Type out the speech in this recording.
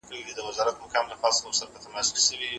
په څېړنه کي سستي نه بخښل کېږي.